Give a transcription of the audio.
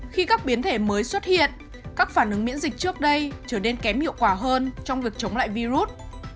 khi các biến thể mới xuất hiện các phản ứng miễn dịch trước đây trở nên kém hiệu quả hơn trong việc chống lại virus